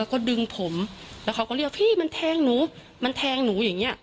แล้วก็ดึงผมแล้วเขาก็เรียกพี่มันแทงหนูมันแทงหนูอย่างเงี้